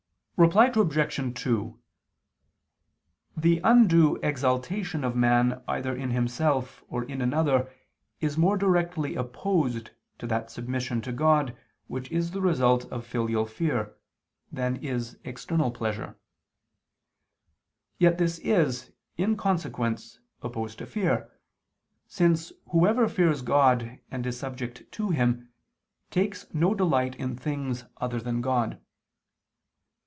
Reply Obj. 2: The undue exaltation of man either in himself or in another is more directly opposed to that submission to God which is the result of filial fear, than is external pleasure. Yet this is, in consequence, opposed to fear, since whoever fears God and is subject to Him, takes no delight in things other than God.